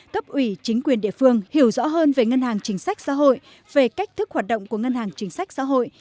cấp ủy chính quyền địa phương hiểu rõ hơn về ngân hàng chính sách xã hội về cách thức hoạt động của ngân hàng chính sách xã hội